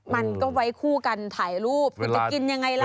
มันก็ไว้คู่กันถ่ายรูปคุณจะกินยังไงล่ะ